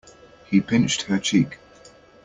He pinched her cheek.